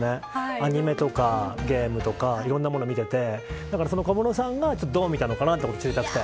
アニメとかゲームとかいろんなもの見ててだから、その小室さんが見たのかを知りたくて。